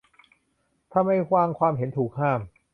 ทำไมบางความเห็นถูกห้าม